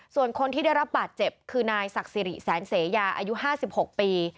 ส่วนคนที่ได้รับบาดเจ็บคือนายศักดิ์สิริแสนเสยาอายุ๕๖ปี